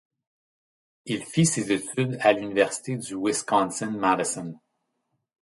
Il fit ses études à l'université du Wisconsin-Madison.